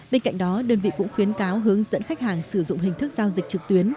bên cạnh đó đơn vị cũng khuyến cáo hướng dẫn khách hàng sử dụng hình thức giao dịch trực tuyến